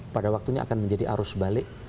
pada waktunya akan menjadi arus balik